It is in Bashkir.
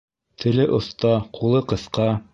Теле оҫта, ҡулы ҡыҫҡа.